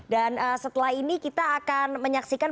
dan setelah ini kita akan menyaksikan